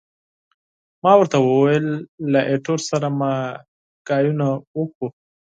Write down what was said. ما ورته وویل، له ایټور سره مې خبرې وکړې.